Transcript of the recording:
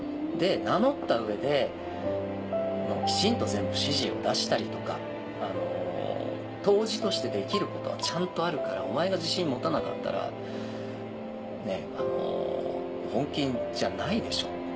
名乗った上できちんと全部指示を出したりとか杜氏としてできることはちゃんとあるからお前が自信持たなかったら本金じゃないでしょ。